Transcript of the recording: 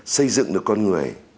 xây dựng được con người